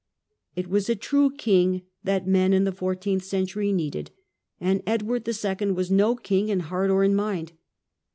It was a true king that men in the fourteenth century needed, and Edward II. was no king in heart or in mind.